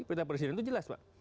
peta presiden itu jelas pak